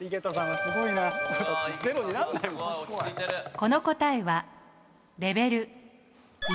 この答えはレベル１。